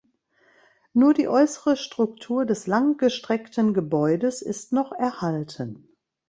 Nur die äußere Struktur des langgestreckten Gebäudes ist noch erhalten.